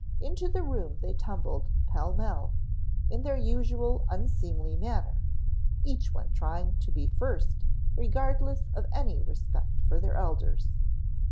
Into the room they tumbled pell mell, in their usual unseemly manner, each one trying to be first regardless of any respect for their elders.